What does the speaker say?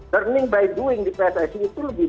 learning by doing di pssi itu lebih